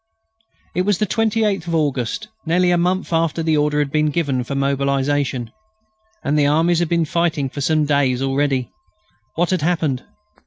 It was the 28th of August, nearly a month after the order had been given for mobilisation. And the armies had been fighting for some days already. What had happened?